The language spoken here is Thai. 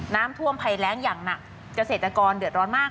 น้ำท่วมภัยแรงอย่างหนักเกษตรกรเดือดร้อนมาก